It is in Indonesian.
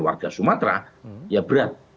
warga sumatera ya berat